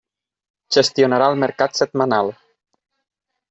Gestionarà el mercat setmanal.